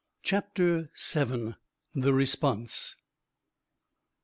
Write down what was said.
CHAPTER VII. THE RESPONSE.